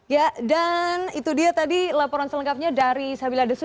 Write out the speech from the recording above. ya dan itu dia tadi laporan selengkapnya dari sabila desu